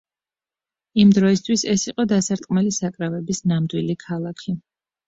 იმ დროისთვის ეს იყო დასარტყმელი საკრავების ნამდვილი ქალაქი!